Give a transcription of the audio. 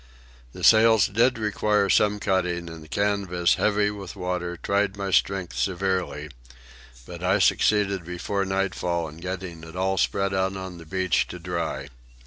The sails did require some cutting, and the canvas, heavy with water, tried my strength severely; but I succeeded before nightfall in getting it all spread out on the beach to dry.